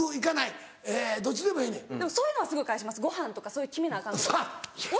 でもそういうのはすぐ返しますごはんとかそういう決めなアカンこと。